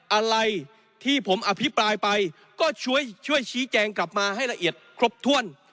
อะไรที่ผมอภิปรายไปก็ช่วยชี้แจงกลับมาให้ละเอียดครบถ้วน